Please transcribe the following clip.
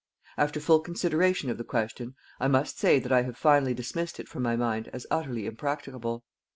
After full consideration of the question, I must say that I have finally dismissed it from my mind as utterly impracticable.